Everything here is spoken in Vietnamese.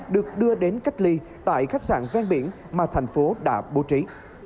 được đưa đến cách ly tại khách sạn ven biển mà thành phố đã bố trí